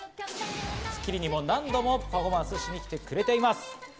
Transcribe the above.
『スッキリ』にも何度もパフォーマンスしに来てくれています。